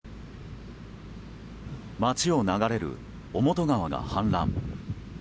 町を流れる小本川が氾濫。